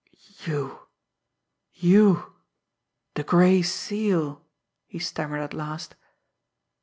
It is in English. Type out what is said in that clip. "You! You the Gray Seal!" he stammered at last.